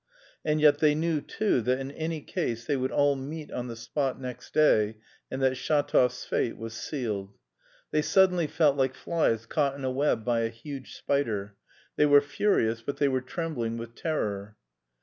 And yet they knew, too, that in any case they would all meet on the spot next day and that Shatov's fate was sealed. They suddenly felt like flies caught in a web by a huge spider; they were furious, but they were trembling with terror.